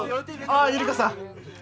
ああゆりかさん